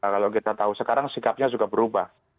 kalau kita tahu sekarang sikapnya juga berubah